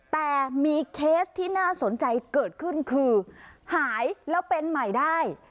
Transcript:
แต่มีเคสที่น่าสนใจเกิดขึ้นคือหายแล้วเป็นใหม่ได้